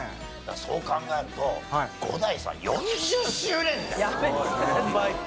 そう考えると伍代さん４０周年！